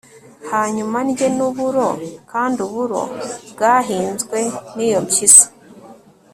hanyuma ndye n'uburo, kandi uburo bwahinzwe n'iyo mpyisi